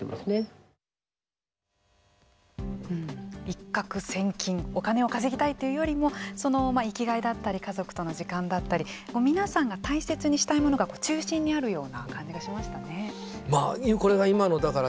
一獲千金お金を稼ぎたいというよりも生きがいだったり家族との時間だったり皆さんが大切にしたいものが中心にあるような感じがしましたね。